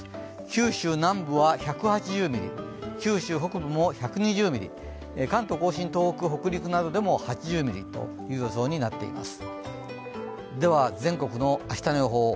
九州南部は１８０ミリ、九州北部も１２０ミリ、関東甲信、東北、北陸などでも８０ミリという予想になっています。